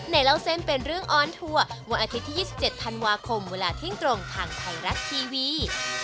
เล่าเส้นเป็นเรื่องออนทัวร์วันอาทิตย์ที่๒๗ธันวาคมเวลาเที่ยงตรงทางไทยรัฐทีวี